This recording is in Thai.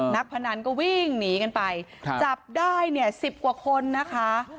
พนันก็วิ่งหนีกันไปจับได้เนี่ย๑๐กว่าคนนะคะ